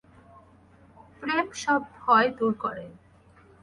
প্রেম সব ভয় দূর করে।